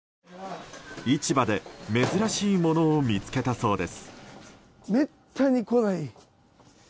市場で珍しいものを見つけたそうです。